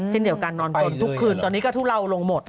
เช่นเดียวกันนอนบนทุกคืนตอนนี้ก็ทุเลาลงหมด